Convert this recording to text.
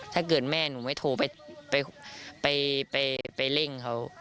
ถ้าเกิดแม่หนูไม่โทรไปเร่งเขา